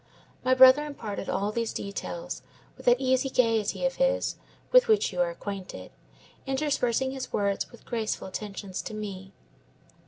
My brother imparted all these details with that easy gayety of his with which you are acquainted, interspersing his words with graceful attentions to me.